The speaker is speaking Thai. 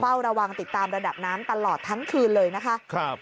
เฝ้าระวังติดตามระดับน้ำตลอดทั้งคืนเลยนะคะครับ